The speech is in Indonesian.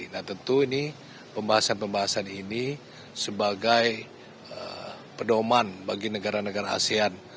nah tentu ini pembahasan pembahasan ini sebagai pedoman bagi negara negara asean